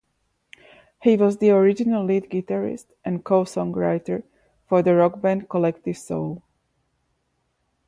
He was the original lead guitarist and co-songwriter for the rock band Collective Soul.